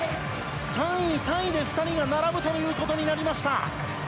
３位タイで２人が並ぶということになりました。